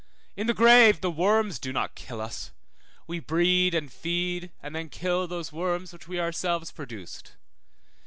In the grave the worms do not kill us; we breed, and feed, and then kill those worms which we ourselves produced.